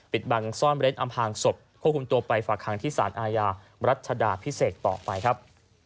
บังซ่อนเร้นอำพางศพควบคุมตัวไปฝากหางที่สารอาญารัชดาพิเศษต่อไปครับ